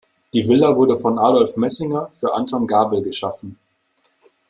Die Villa wurde von Adolf Mössinger für Anton Gabel geschaffen.